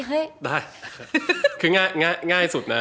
ได้คือง่ายสุดนะ